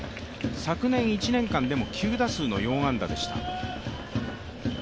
昨年１年間でも９打数４安打でした。